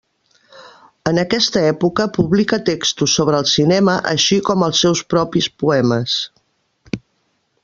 En aquesta època, publica textos sobre el cinema, així com els seus propis poemes.